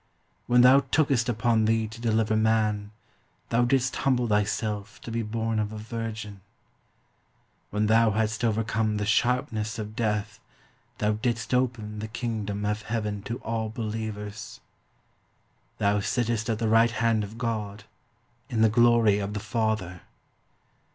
When thou tookest upon thee to deliver man, thou didst humble thyself to be born of a Virgin. When thou hadst overcome the sharpness of death, thou didst open the Kingdom of Heaven to all believers. Thou sittest at the right hand of God, in the Glory of the Father.